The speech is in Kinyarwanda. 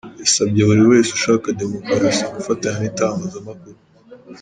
Yasabye buri wese ushaka Demokarasi gufatanya n’itangazamakuru.